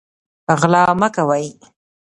غلا مه کوئ